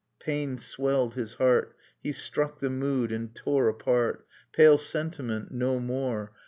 pain swelled his heart, He struck the mood and tore apart. ' Pale sentiment, no more.